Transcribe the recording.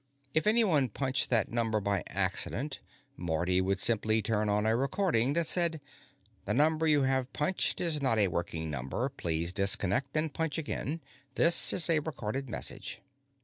If anyone punched that number by accident, Marty would simply turn on a recording that said: "The number you have punched is not a working number; please disconnect and punch again; this is a recorded message."